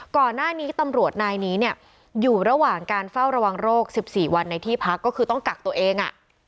ก่อนหน้านี้ตำรวจนายนี้เนี่ยอยู่ระหว่างการเฝ้าระวังโรค๑๔วันในที่พักก็คือต้องกักตัวเอง